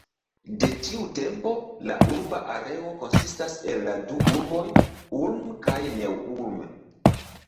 De tiu tempo la urba areo konsistas el la du urboj Ulm kaj Neu-Ulm.